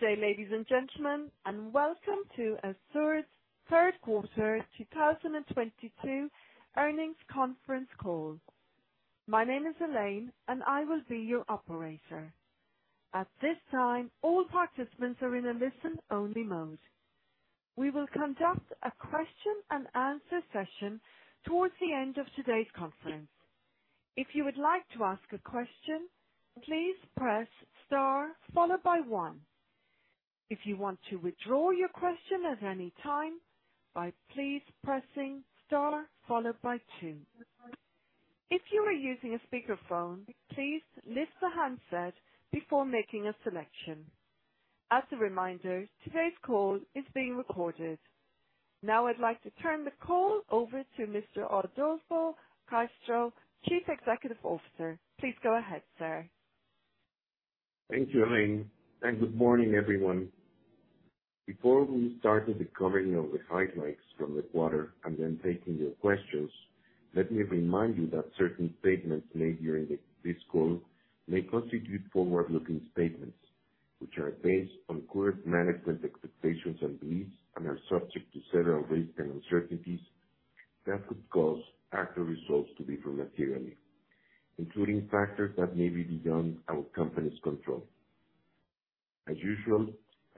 Good day, ladies and gentlemen, and welcome to ASUR's Third Quarter 2022 Earnings Conference Call. My name is Elaine, and I will be your operator. At this time, all participants are in a listen-only mode. We will conduct a question-and-answer session towards the end of today's conference. If you would like to ask a question, please press star followed by one. If you want to withdraw your question at any time, please press star followed by two. If you are using a speakerphone, please lift the handset before making a selection. As a reminder, today's call is being recorded. Now I'd like to turn the call over to Mr. Adolfo Castro, Chief Executive Officer. Please go ahead, sir. Thank you, Elaine, and good morning, everyone. Before we start with the covering of the highlights from the quarter and then taking your questions, let me remind you that certain statements made during this call may constitute forward-looking statements, which are based on current management expectations and beliefs and are subject to several risks and uncertainties that could cause actual results to differ materially, including factors that may be beyond our company's control. As usual,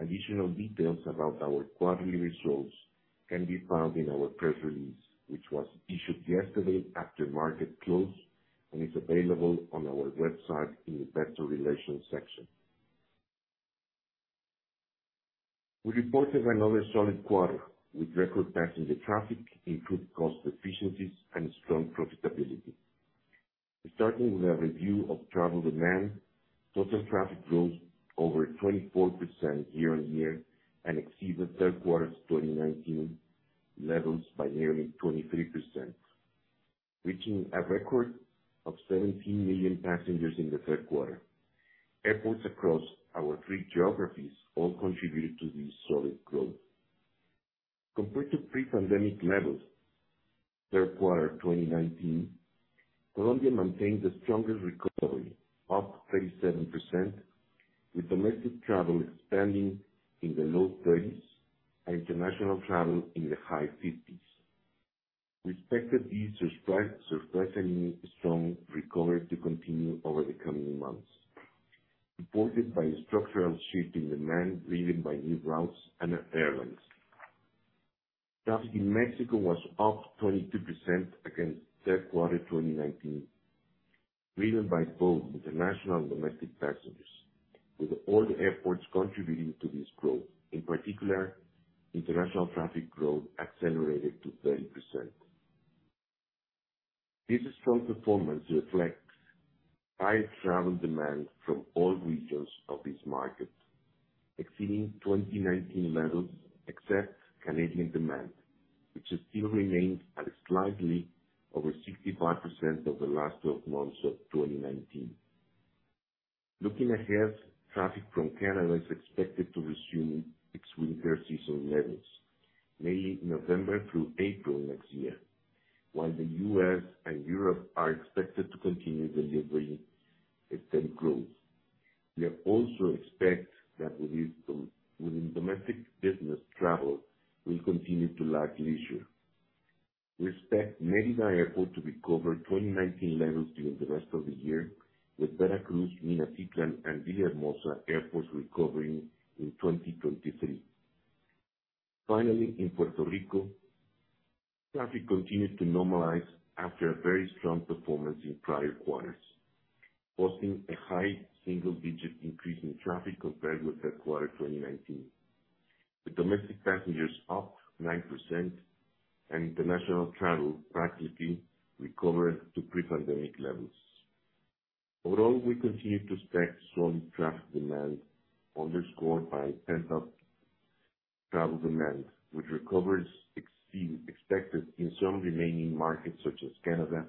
additional details about our quarterly results can be found in our press release, which was issued yesterday after market close and is available on our website in the investor relations section. We reported another solid quarter with record passenger traffic, improved cost efficiencies, and strong profitability. Starting with a review of travel demand, total traffic growth over 24% year-over-year and exceeded third quarter 2019 levels by nearly 23%, reaching a record of 17 million passengers in the third quarter. Airports across our three geographies all contributed to this solid growth. Compared to pre-pandemic levels, third quarter of 2019, Colombia maintained the strongest recovery, up 37%, with domestic travel expanding in the low 30s and international travel in the high 50s. We expect that these surprisingly strong recovery to continue over the coming months, supported by a structural shift in demand driven by new routes and airlines. Traffic in Mexico was up 22% against third quarter 2019, driven by both international and domestic passengers, with all the airports contributing to this growth. In particular, international traffic growth accelerated to 30%. This strong performance reflects high travel demand from all regions of this market, exceeding 2019 levels, except Canadian demand, which still remains at slightly over 65% of the last 12 months of 2019. Looking ahead, traffic from Canada is expected to resume its winter season levels, November through April next year. While the U.S. and Europe are expected to continue their growth. We also expect that within domestic business, travel will continue to lag leisure. We expect Mérida Airport to recover 2019 levels during the rest of the year, with Veracruz, Minatitlán, and Villahermosa airports recovering in 2023. Finally, in Puerto Rico, traffic continues to normalize after a very strong performance in prior quarters, posting a high single-digit increase in traffic compared with third quarter of 2019, with domestic passengers up 9% and international travel practically recovered to pre-pandemic levels. Overall, we continue to expect strong traffic demand underscored by pent-up travel demand, with recoveries expected in some remaining markets such as Canada,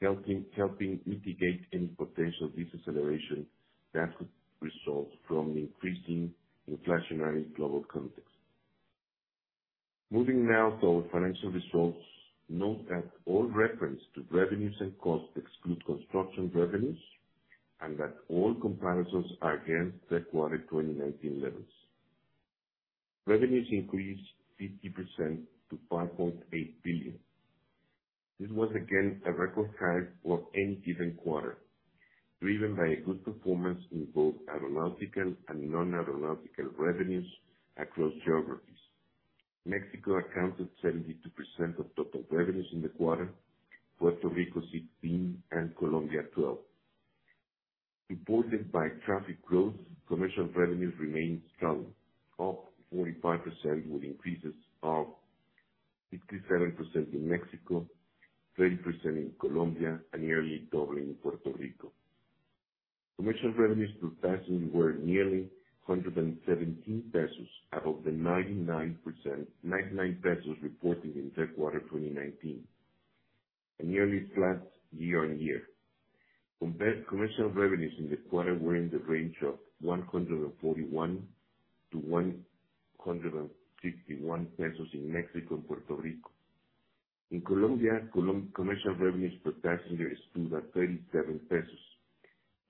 helping mitigate any potential deceleration that could result from increasing inflationary global context. Moving now to our financial results. Note that all reference to revenues and costs exclude construction revenues, and that all comparisons are against third quarter 2019 levels. Revenues increased 50% to 5.8 billion. This was again a record high for any given quarter, driven by a good performance in both aeronautical and non-aeronautical revenues across geographies. Mexico accounted 72% of total revenues in the quarter, Puerto Rico 16%, and Colombia 12%. Supported by traffic growth, commercial revenues remained strong, up 45%, with increases of 57% in Mexico, 30% in Colombia, and nearly doubling in Puerto Rico. Commercial revenues per passenger were nearly 117 pesos, above the 99 pesos reported in third quarter 2019 and nearly flat year-on-year. Commercial revenues in the quarter were in the range of 141-161 pesos in Mexico and Puerto Rico. In Colombia, commercial revenues per passenger stood at 37 pesos,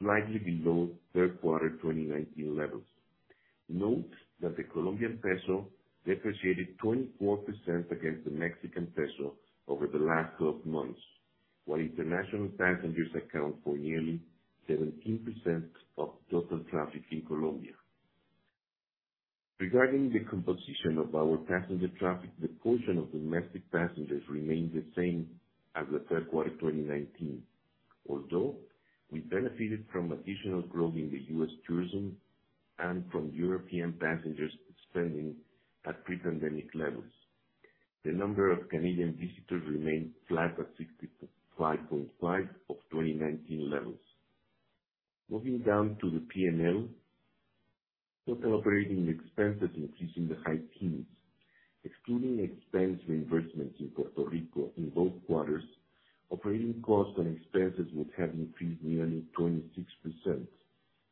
slightly below third quarter 2019 levels. Note that the Colombian peso depreciated 24% against the Mexican peso over the last 12 months, while international passengers account for nearly 17% of total traffic in Colombia. Regarding the composition of our passenger traffic, the portion of domestic passengers remained the same as the third quarter of 2019. Although we benefited from additional growth in the U.S. tourism and from European passengers spending at pre-pandemic levels. The number of Canadian visitors remained flat at 65.5% of 2019 levels. Moving down to the P&L. Total operating expenses increased in the high teens%. Excluding expense reimbursements in Puerto Rico in both quarters, operating costs and expenses would have increased nearly 26%,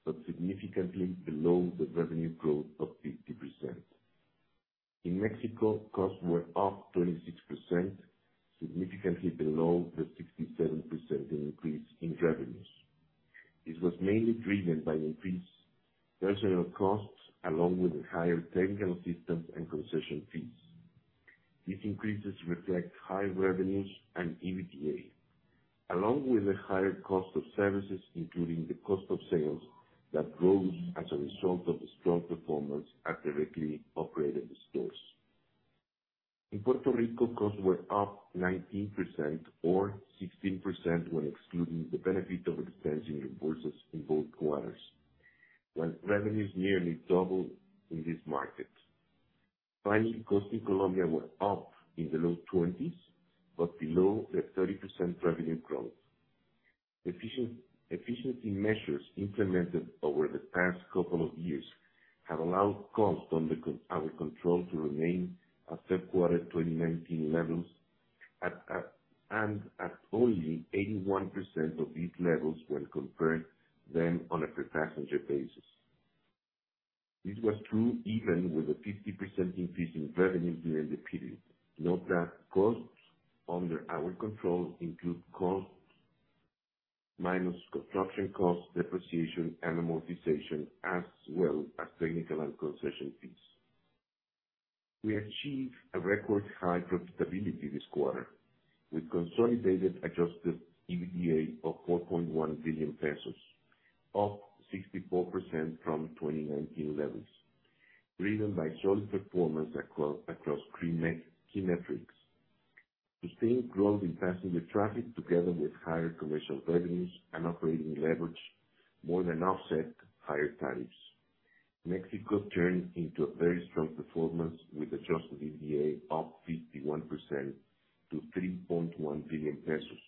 but significantly below the revenue growth of 50%. In Mexico, costs were up 26%, significantly below the 67% increase in revenues. This was mainly driven by increased personnel costs, along with higher technical assistance and concession fees. These increases reflect higher revenues and EBITDA, along with the higher cost of services, including the cost of sales, that rose as a result of the strong performance at directly operated stores. In Puerto Rico, costs were up 19% or 16% when excluding the benefit of expense reimbursements in both quarters, while revenues nearly doubled in this market. Finally, costs in Colombia were up in the low 20s%, but below the 30% revenue growth. Efficiency measures implemented over the past couple of years have allowed costs under our control to remain at third quarter 2019 levels, and at only 81% of these levels when compared then on a per passenger basis. This was true even with a 50% increase in revenues during the period. Note that costs under our control exclude construction costs, depreciation, and amortization, as well as technical and concession fees. We achieved a record high profitability this quarter with consolidated adjusted EBITDA of 4.1 billion pesos, up 64% from 2019 levels, driven by solid performance across key metrics. Sustained growth in passenger traffic, together with higher commercial revenues and operating leverage, more than offset higher tariffs. Mexico turned into a very strong performance with adjusted EBITDA up 51% to 3.1 billion pesos.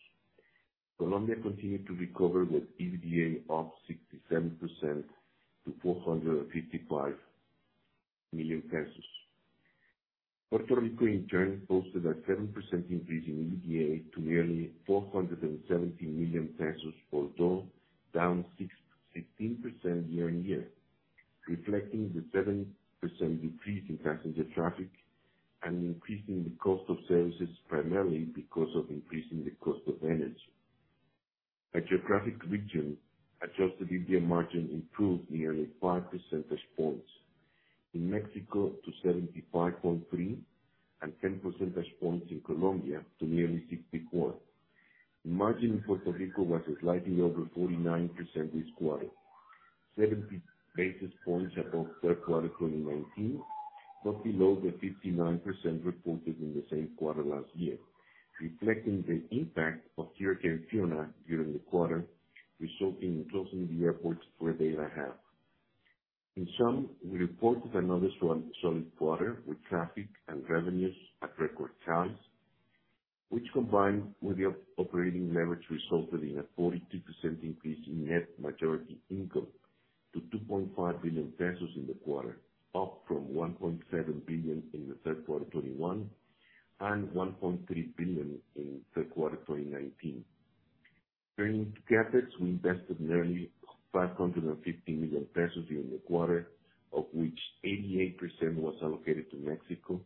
Colombia continued to recover, with EBITDA up 67% to 455 million pesos. Puerto Rico, in turn, posted a 7% increase in EBITDA to nearly 470 million pesos, although down 16% year-on-year, reflecting the 7% decrease in passenger traffic and an increase in the cost of services, primarily because of increase in the cost of energy. By geographic region, adjusted EBITDA margin improved nearly 5 percentage points. In Mexico to 75.3%, and 10 percentage points in Colombia to nearly 61%. Margin in Puerto Rico was slightly over 49% this quarter. 70 basis points above third quarter 2019, but below the 59% reported in the same quarter last year, reflecting the impact of Hurricane Fiona during the quarter, resulting in closing the airports for a day and a half. In sum, we reported another solid quarter with traffic and revenues at record highs, which combined with the operating leverage, resulted in a 42% increase in net majority income to 2.5 billion pesos in the quarter, up from 1.7 billion in the third quarter 2021, and 1.3 billion in third quarter 2019. Turning to CapEx, we invested nearly 550 million pesos during the quarter, of which 88% was allocated to Mexico,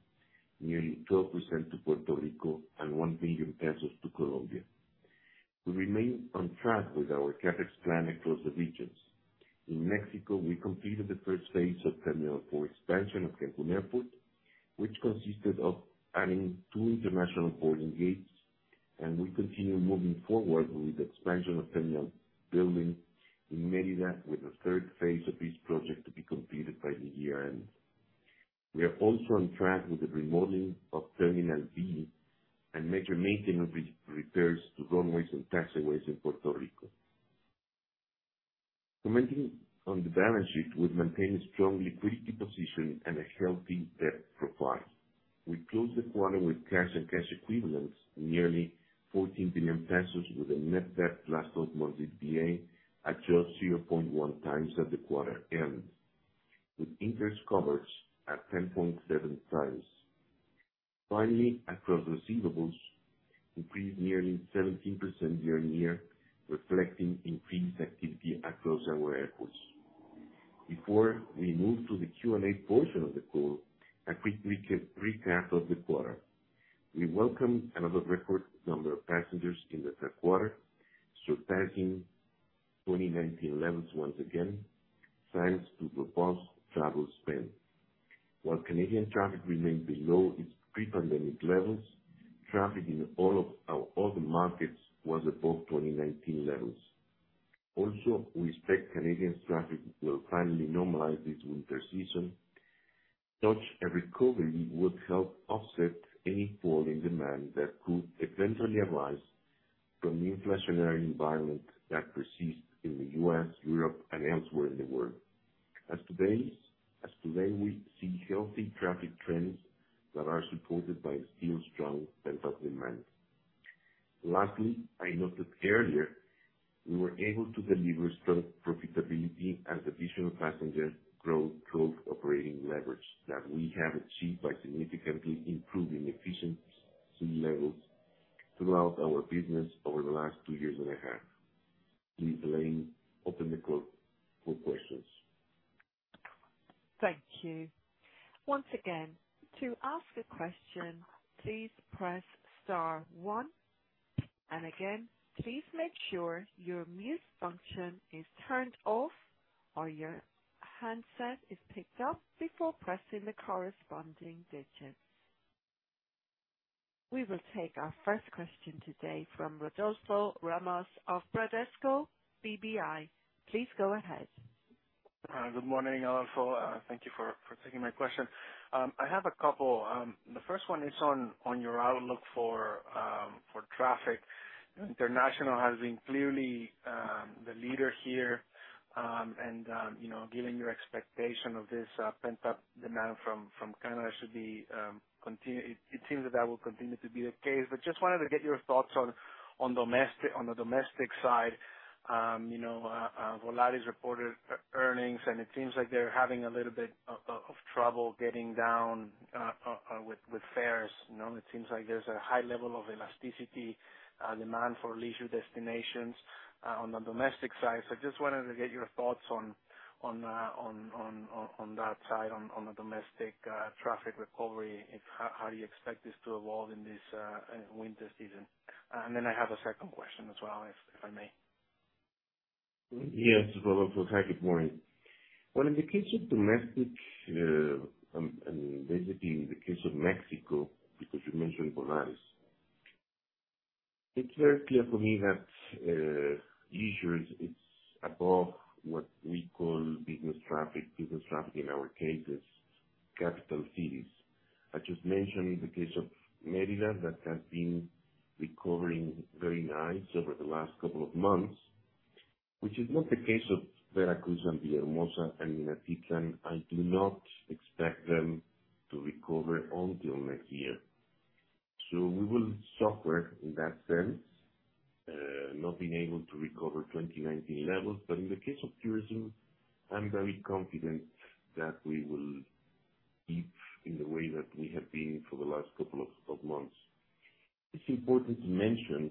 nearly 12% to Puerto Rico, and 1 billion pesos to Colombia. We remain on track with our CapEx plan across the regions. In Mexico, we completed the first phase of Terminal 4 expansion of Cancún Airport, which consisted of adding two international boarding gates. We continue moving forward with the expansion of terminal building in Mérida, with the third phase of this project to be completed by year-end. We are also on track with the remodeling of Terminal B and major maintenance repairs to runways and taxiways in Puerto Rico. Commenting on the balance sheet, we've maintained a strong liquidity position and a healthy debt profile. We closed the quarter with cash and cash equivalents of nearly 14 billion pesos with a net debt to total EBITDA at just 0.1x at the quarter end, with interest coverage at 10.7x. Finally, accounts receivables increased nearly 17% year-on-year, reflecting increased activity across our airports. Before we move to the Q&A portion of the call, a quick recap of the quarter. We welcomed another record number of passengers in the third quarter, surpassing 2019 levels once again, thanks to the post-travel spend. While Canadian traffic remained below its pre-pandemic levels, traffic in all of our other markets was above 2019 levels. Also, we expect Canadian traffic will finally normalize this winter season. Such a recovery would help offset any fall in demand that could eventually arise from the inflationary environment that persists in the U.S., Europe, and elsewhere in the world. As of today, we see healthy traffic trends that are supported by still strong pent-up demand. Lastly, I noted earlier, we were able to deliver strong profitability and additional passenger growth through operating leverage that we have achieved by significantly improving efficiency levels throughout our business over the last two years and a half. Please, Elaine, open the floor for questions. Thank you. Once again, to ask a question, please press star one. Again, please make sure your mute function is turned off or your handset is picked up before pressing the corresponding digits. We will take our first question today from Rodolfo Ramos of Bradesco BBI. Please go ahead. Good morning, Adolfo. Thank you for taking my question. I have a couple. The first one is on your outlook for traffic. International has been clearly the leader here. You know, given your expectation of this pent-up demand from Canada, it seems that that will continue to be the case. Just wanted to get your thoughts on domestic, on the domestic side. You know, Volaris reported earnings, and it seems like they're having a little bit of trouble getting fares down. You know, it seems like there's a high level of elasticity of demand for leisure destinations on the domestic side. Just wanted to get your thoughts on that side, on the domestic traffic recovery. How do you expect this to evolve in this winter season? I have a second question as well, if I may. Yes, Rodolfo. Hi, good morning. Well, in the case of domestic and basically in the case of Mexico, because you mentioned Volaris. It's very clear for me that leisure is above what we call business traffic. Business traffic in our case is capital cities. I just mentioned the case of Mérida, that has been recovering very nice over the last couple of months, which is not the case of Veracruz and Villahermosa and Minatitlán. I do not expect them to recover until next year. We will suffer in that sense, not being able to recover 2019 levels. In the case of tourism, I'm very confident that we will keep in the way that we have been for the last couple of months. It's important to mention,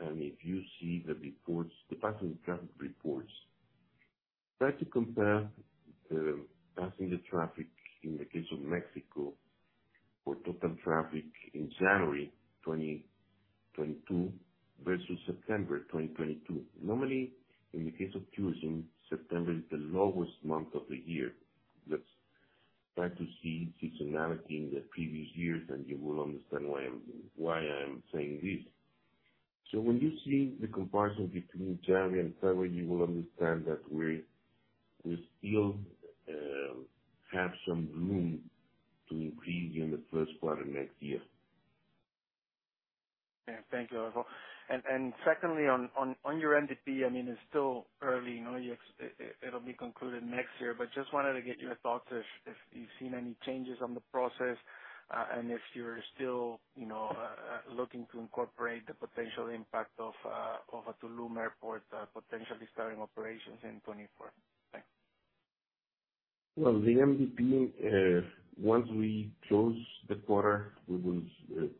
and if you see the reports, the passenger traffic reports, try to compare passenger traffic in the case of Mexico for total traffic in January 2022 versus September 2022. Normally, in the case of tourism, September is the lowest month of the year. Let's try to see seasonality in the previous years, and you will understand why I am saying this. When you see the comparison between January and February, you will understand that we still have some room to increase in the first quarter next year. Yeah. Thank you, Adolfo. Secondly, on your MDP, I mean, it's still early, you know. It'll be concluded next year. Just wanted to get your thoughts if you've seen any changes on the process, and if you're still, you know, looking to incorporate the potential impact of a Tulum airport, potentially starting operations in 2024. Thanks. Well, the MDP, once we close the quarter, we will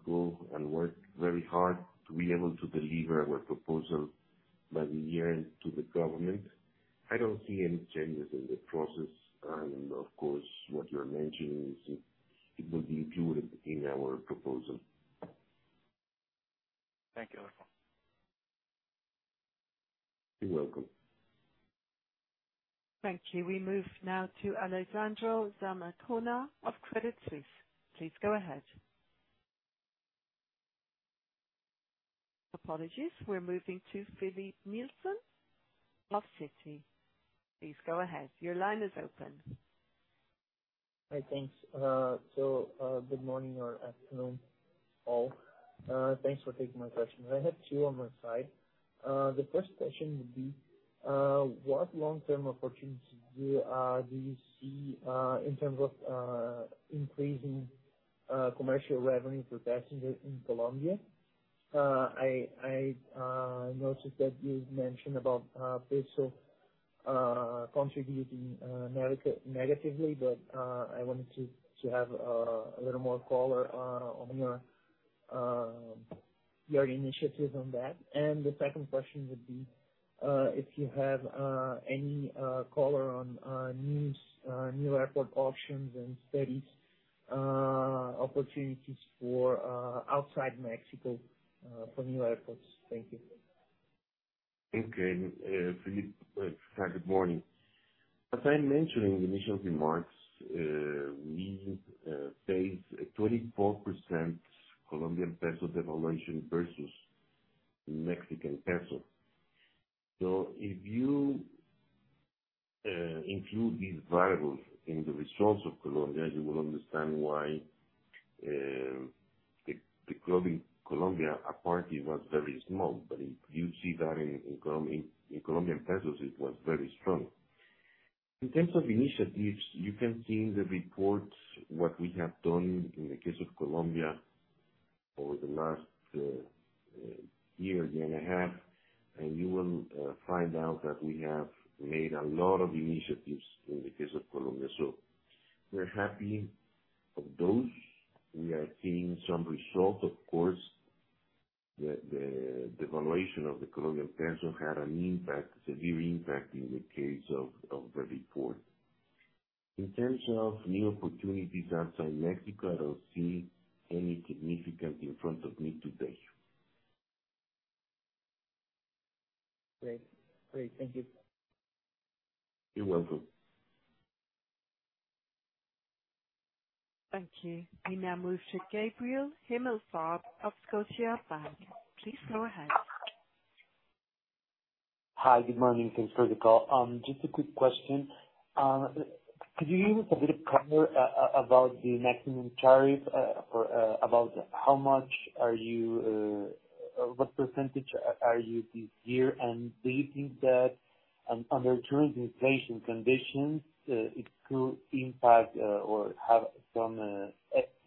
go and work very hard to be able to deliver our proposal by the year-end to the government. I don't see any changes in the process. Of course, what you're mentioning is, it will be included in our proposal. Thank you, Adolfo. You're welcome. Thank you. We move now to Alejandro Zamacona of Credit Suisse. Please go ahead. Apologies, we're moving to Filipe Nielsen of Citi. Please go ahead. Your line is open. Hi. Thanks. Good morning or afternoon, all. Thanks for taking my questions. I have two on my side. The first question would be, what long-term opportunities do you see in terms of increasing commercial revenue per passenger in Colombia? I noticed that you mentioned about peso contributing negatively, but I wanted to have a little more color on your initiatives on that. The second question would be, if you have any color on new airport options and studies opportunities for outside Mexico for new airports. Thank you. Okay. Filipe, hi, good morning. As I mentioned in the initial remarks, we faced a 24% Colombian peso devaluation versus the Mexican peso. If you include these variables in the results of Colombia, you will understand why the growth in Colombia apparently was very small. If you see that in Colombian pesos, it was very strong. In terms of initiatives, you can see in the report what we have done in the case of Colombia over the last year and a half, and you will find out that we have made a lot of initiatives in the case of Colombia. We're happy of those. We are seeing some results. Of course, the devaluation of the Colombian peso had an impact, severe impact in the case of the report. In terms of new opportunities outside Mexico, I don't see any significant in front of me today. Great. Thank you. You're welcome. Thank you. We now move to Gabriel Himelfarb of Scotiabank. Please go ahead. Hi, good morning. Thanks for the call. Just a quick question. Could you give us a bit of color about the maximum tariff, for about how much are you, what percentage are you this year? Do you think that under current inflation conditions, it could impact, or have some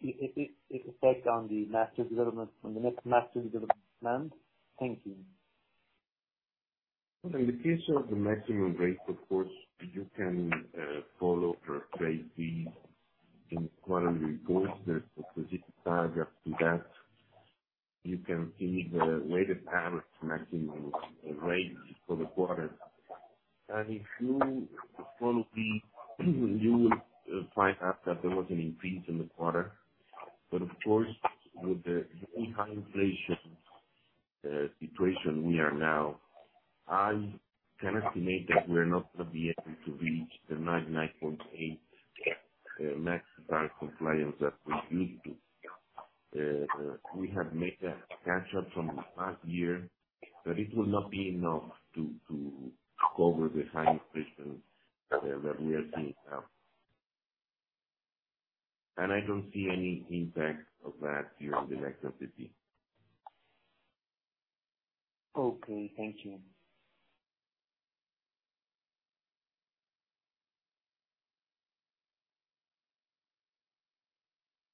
effect on the master development, on the next master development plan? Thank you. In the case of the maximum rate, of course, you can follow or trace these in quarterly reports. There's a specific paragraph to that. You can see the weighted average maximum rate for the quarter. If you follow, you will find out that there was an increase in the quarter. Of course, with the very high inflation situation we are in now, I can estimate that we are not gonna be able to reach the 9.8 max tariff compliance that we need to. We have made a catch-up from the past year, but it will not be enough to cover the high inflation that we are seeing now. I don't see any impact of that during the next MDP. Okay. Thank you.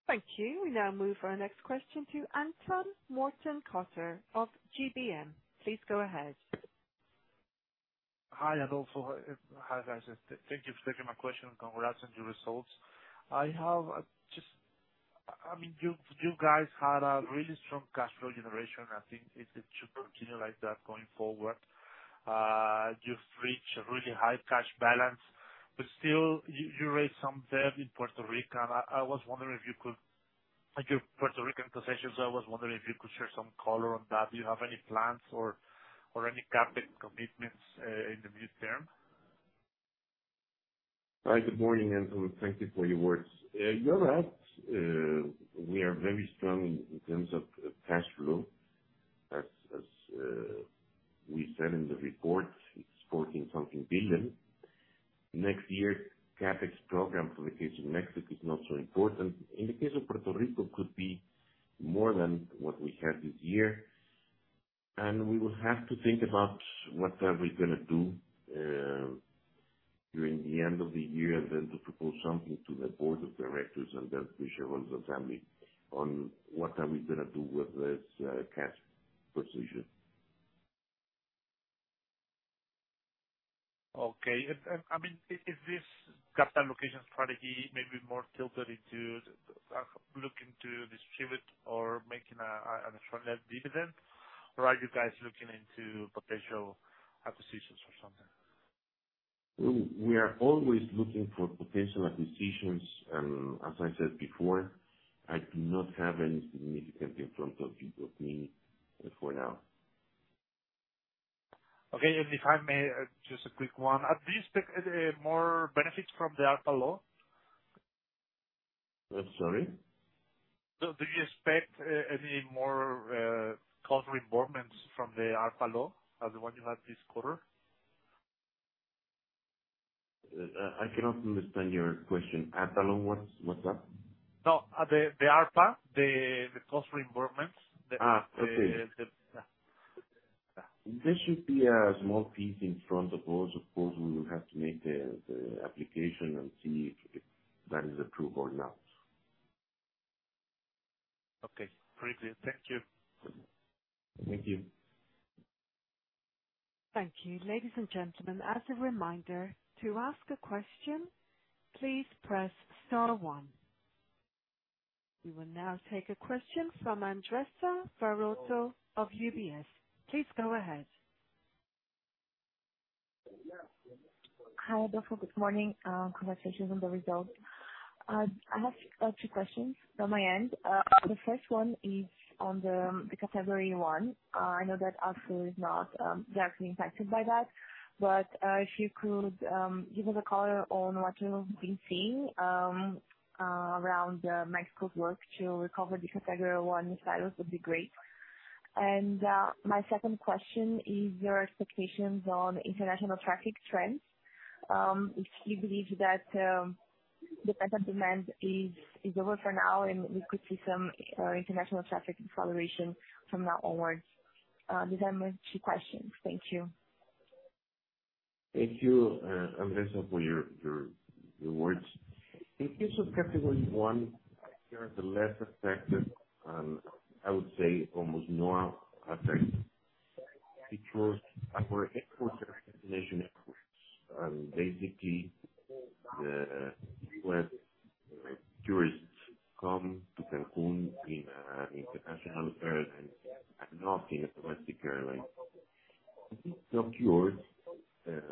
Thank you. We now move our next question to Anton Mortenkotter of GBM. Please go ahead. Hi, Adolfo. Hi, guys. Thank you for taking my question. Congrats on your results. I mean, you guys had a really strong cash flow generation. I think it should continue like that going forward. You've reached a really high cash balance, but still you raised some debt in Puerto Rico. I was wondering if you could like, your Puerto Rican concessions, I was wondering if you could share some color on that. Do you have any plans or any CapEx commitments in the midterm? Hi, good morning, Anton. Thank you for your words. You're right. We are very strong in terms of cash flow. As we said in the report, it's 14-something billion. Next year, CapEx program for the case of Mexico is not so important. In the case of Puerto Rico, could be more than what we had this year, and we will have to think about what are we gonna do during the end of the year, and then to propose something to the board of directors and then to shareholders' family on what are we gonna do with this cash position. Okay. I mean, is this capital allocation strategy maybe more tilted into looking to distribute or making an extraordinary dividend? Or are you guys looking into potential acquisitions or something? We are always looking for potential acquisitions. As I said before, I do not have any significant in front of me for now. Okay. If I may, just a quick one. Do you expect more benefits from the ARPA law? I'm sorry? Do you expect any more cost reimbursements from the ARPA law as the one you had this quarter? I cannot understand your question. ARPA law, what's that? No, the ARPA, the cost reimbursements. Okay. Yeah. There should be a small piece in front of us. Of course, we will have to make the application and see if that is approved or not. Okay. Very clear. Thank you. Thank you. Thank you. Ladies and gentlemen, as a reminder, to ask a question, please press star one. We will now take a question from Andressa Varotto of UBS. Please go ahead. Hi, Adolfo. Good morning. Congratulations on the results. I have two questions from my end. The first one is on the Category 1. I know that ASUR is not directly impacted by that, but if you could give us a color on what you've been seeing around Mexico's work to recover the Category 1 status, would be great. My second question is your expectations on international traffic trends. If you believe that the pent-up demand is over for now and we could see some international traffic acceleration from now onwards. These are my two questions. Thank you. Thank you, Andressa, for your words. In case of Category 1, we are the least affected. I would say almost not affected because our exposure is destination exposure. Basically the U.S. tourists come to Cancún in an international airline and not in a domestic airline. It got cured. There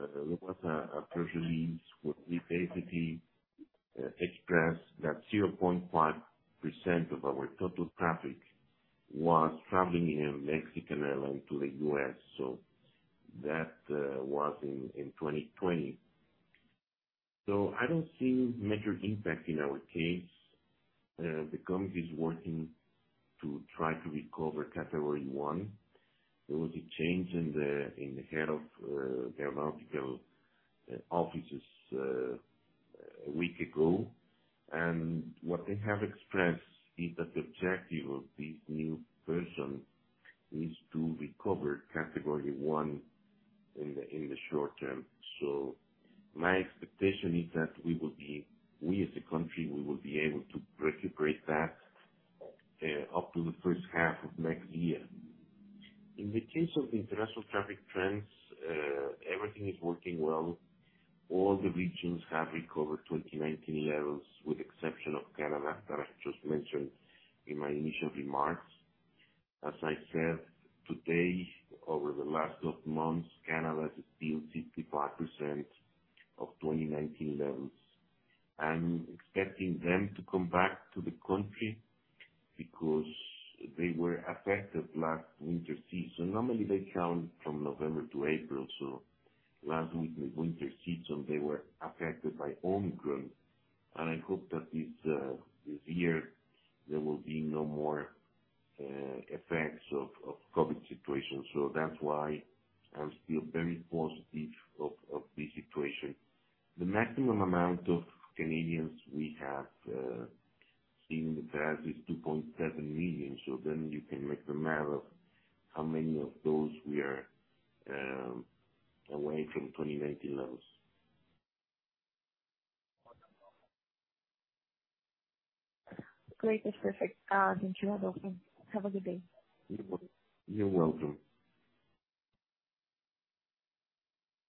was a case where we basically expressed that 0.5% of our total traffic was traveling in Mexican airline to the U.S. That was in 2020. I don't see major impact in our case. The company is working to try to recover Category 1. There was a change in the head of aeronautical offices a week ago. What they have expressed is that the objective of this new person is to recover Category 1 in the short term. My expectation is that we as a country will be able to recuperate that up to the first half of next year. In the case of international traffic trends, everything is working well. All the regions have recovered 2019 levels, with exception of Canada, that I've just mentioned in my initial remarks. As I said today, over the last 12 months, Canada is still 65% of 2019 levels. I'm expecting them to come back to the country because they were affected last winter season. Normally they count from November to April. Last week, the winter season, they were affected by Omicron, and I hope that this year there will be no more effects of COVID situation. That's why I'm still very positive of this situation. The maximum amount of Canadians we have seen in the past is 2.7 million. Then you can make the math of how many of those we are away from 2019 levels. Great. That's perfect. Thank you, Adolfo. Have a good day. You're welcome.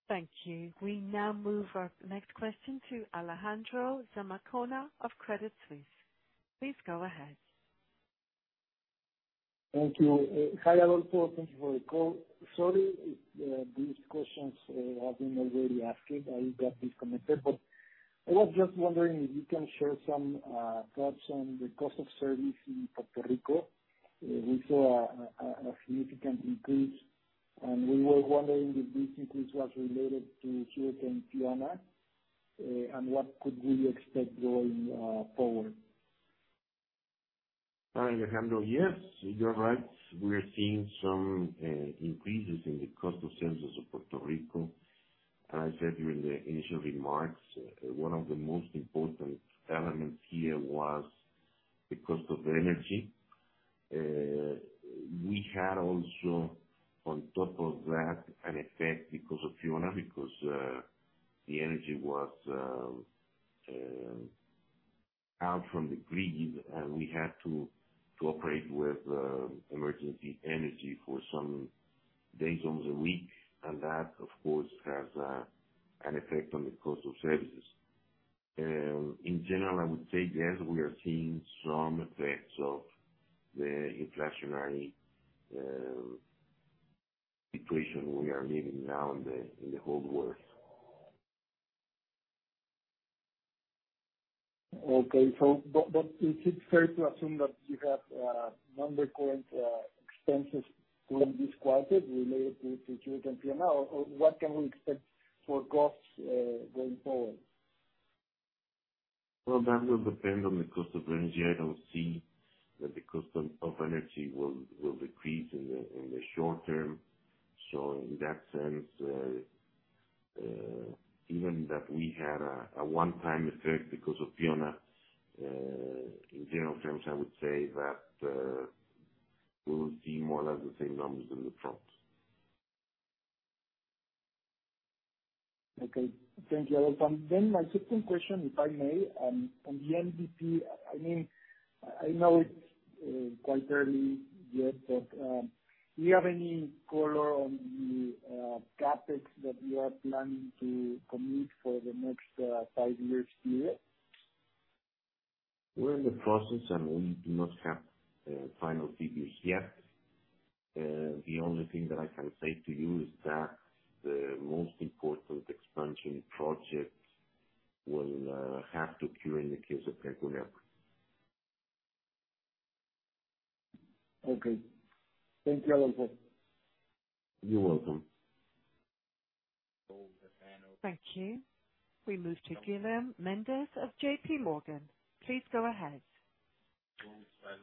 Thank you. We now move our next question to Alejandro Zamacona of Credit Suisse. Please go ahead. Thank you. Hi, Adolfo. Thank you for the call. Sorry if these questions have been already asked. I got disconnected. I was just wondering if you can share some thoughts on the cost of service in Puerto Rico. We saw a significant increase, and we were wondering if this increase was related to Hurricane Fiona, and what could we expect going forward? Hi, Alejandro. Yes, you are right. We are seeing some increases in the cost of services of Puerto Rico. As I said during the initial remarks, one of the most important elements here was the cost of energy. We had also, on top of that, an effect because of Fiona, because the energy was out from the grid, and we had to operate with emergency energy for some days, almost a week. That, of course, has an effect on the cost of services. In general, I would say yes, we are seeing some effects of the inflationary situation we are living now in the whole world. Okay. Is it fair to assume that you have non-recurring expenses during this quarter related to Hurricane Fiona? Or what can we expect for costs going forward? Well, that will depend on the cost of energy. I don't see that the cost of energy will decrease in the short term. In that sense, given that we had a one-time effect because of Fiona, in general terms, I would say that we will see more or less the same numbers in the front. Okay. Thank you, Adolfo. My second question, if I may, on the MDP, I mean, I know it's quite early yet, but do you have any color on the CapEx that you are planning to commit for the next five years here? We're in the process, and we do not have final figures yet. The only thing that I can say to you is that the most important expansion project will have to occur in the case of Cancún airport. Okay. Thank you, Adolfo. You're welcome. Thank you. We move to Guilherme Mendes of JPMorgan. Please go ahead.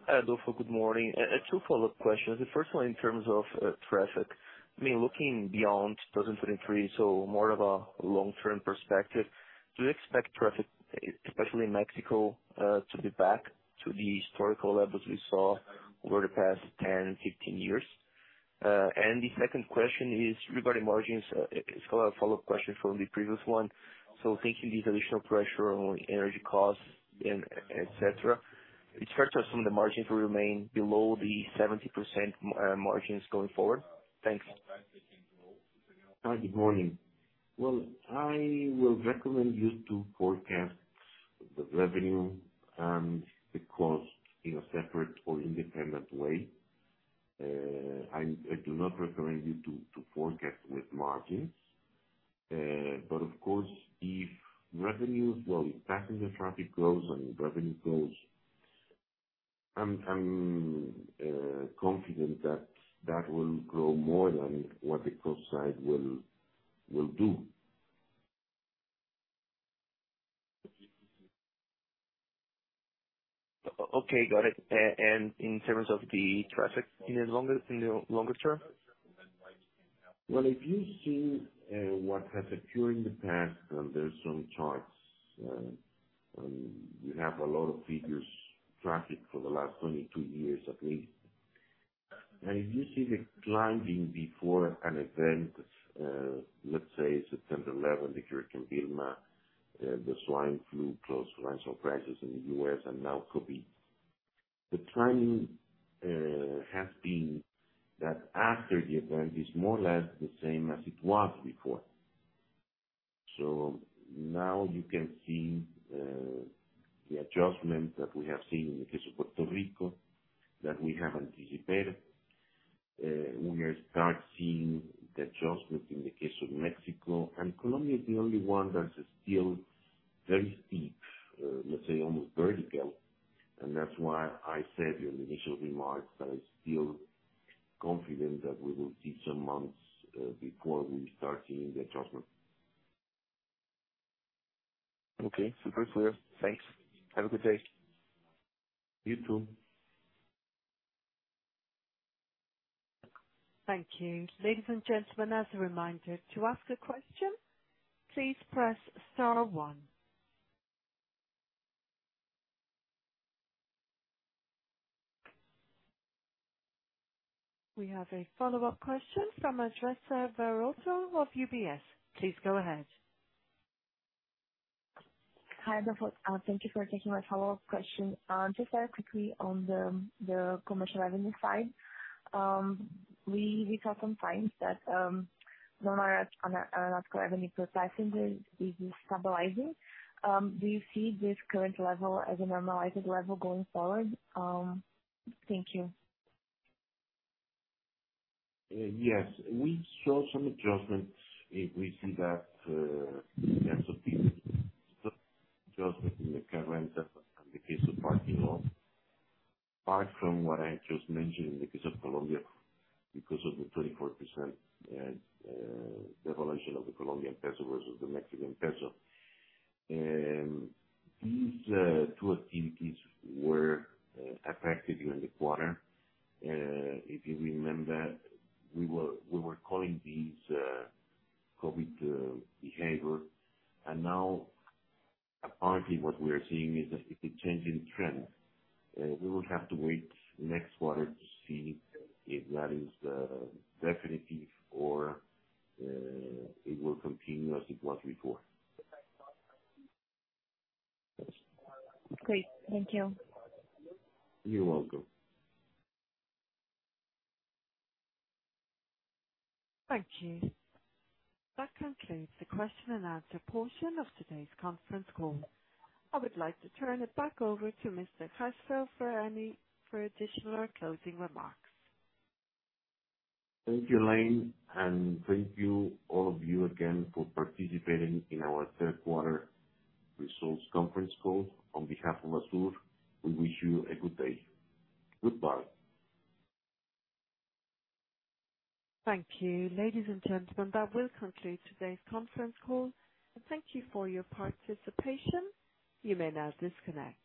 Hi, Adolfo. Good morning. Two follow-up questions. The first one in terms of traffic. I mean, looking beyond 2023, so more of a long-term perspective, do you expect traffic, especially in Mexico, to be back to the historical levels we saw over the past 10, 15 years? The second question is regarding margins. It's kind of a follow-up question from the previous one. Thinking these additional pressure on energy costs and, et cetera, it's fair to assume the margins will remain below the 70% margins going forward? Thanks. Hi, good morning. Well, I will recommend you to forecast the revenue and the cost in a separate or independent way. I do not recommend you to forecast with margins. Of course, if passenger traffic grows and revenue grows, I'm confident that that will grow more than what the cost side will do. Okay, got it. In terms of the traffic in the longer term? Well, if you see what has occurred in the past, there's some charts. We have a lot of figures, traffic for the last 22 years at least. If you see the climbing before an event, let's say September 11th, Hurricane Wilma, the swine flu, post-financial crisis in the U.S., And now COVID. The timing has been that after the event is more or less the same as it was before. Now you can see the adjustment that we have seen in the case of Puerto Rico that we have anticipated. We are start seeing the adjustment in the case of Mexico. Colombia is the only one that is still very steep, let's say almost vertical. That's why I said in the initial remarks that I'm still confident that we will see some months before we start seeing the adjustment. Okay. Super clear. Thanks. Have a good day. You too. Thank you. Ladies and gentlemen, as a reminder, to ask a question, please press star one. We have a follow-up question from Andressa Varotto of UBS. Please go ahead. Hi, Adolfo. Thank you for taking my follow-up question. Just very quickly on the commercial revenue side. We saw sometimes that non-aeronautical revenue per passenger is stabilizing. Do you see this current level as a normalized level going forward? Thank you. Yes. We saw some adjustments, we see that, in terms of the adjustment in the car rental and the case of parking lot. Apart from what I just mentioned in the case of Colombia, because of the 24%, devaluation of the Colombian peso versus the Mexican peso. These two activities were affected during the quarter. If you remember, we were calling these COVID behavior. Now apparently what we are seeing is a change in trend. We will have to wait next quarter to see if that is definitive or it will continue as it was before. Great. Thank you. You're welcome. Thank you. That concludes the question and answer portion of today's conference call. I would like to turn it back over to Mr. Adolfo Castro for any further additional or closing remarks. Thank you, Elaine. Thank you all of you again for participating in our third quarter results conference call. On behalf of ASUR, we wish you a good day. Goodbye. Thank you. Ladies and gentlemen, that will conclude today's conference call. Thank you for your participation. You may now disconnect.